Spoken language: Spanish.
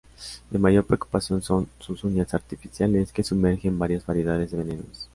De mayor preocupación son sus uñas artificiales, que sumerge en varias variedades de venenos.